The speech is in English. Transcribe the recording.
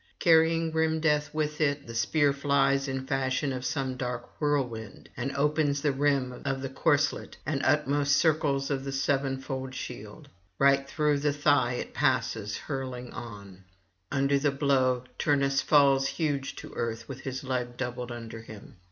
Carrying grim death with it, the spear flies in fashion of some dark whirlwind, and [925 952]opens the rim of the corslet and the utmost circles of the sevenfold shield. Right through the thigh it passes hurtling on; under the blow Turnus falls huge to earth with his leg doubled under him.